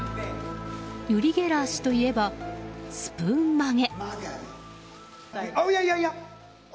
ユリ・ゲラー氏といえばスプーン曲げ。